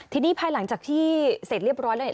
ทีนี้ภายหลังจากที่เสร็จเรียบร้อยแล้วเนี่ย